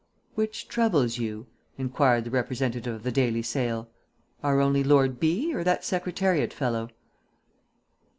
"Which troubles you?" inquired the representative of the Daily Sale. "Our only Lord B., or that Secretariat fellow?"